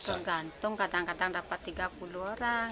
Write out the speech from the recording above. tergantung kadang kadang dapat tiga puluh orang kadang kadang dua puluh